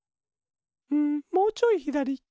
うんもうちょいひだり。